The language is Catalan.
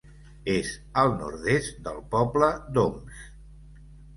És al nord-est del poble d'Oms.